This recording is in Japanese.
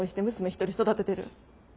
一人育ててる。